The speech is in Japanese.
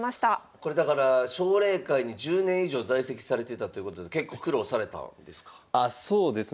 これだから奨励会に１０年以上在籍されてたということで結構苦労されたんですか？